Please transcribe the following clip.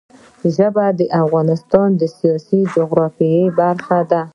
ژبې د افغانستان د سیاسي جغرافیه برخه ده.